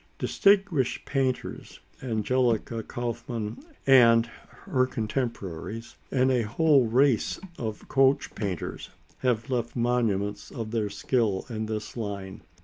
Distinguished painters, Angelica Kauffmann and her contemporaries, and a whole race of coach painters have left monuments of their skill in this line.